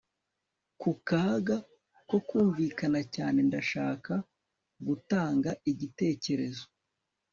ku kaga ko kumvikana cyane, ndashaka gutanga igitekerezo